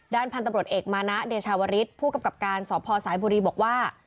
พันธุ์ตำรวจเอกมานะเดชาวริสผู้กำกับการสพสายบุรีบอกว่า